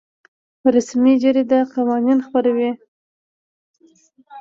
رسمي جریده قوانین خپروي